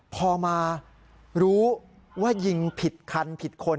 พอมารู้ว่ายิงผิดคันผิดคน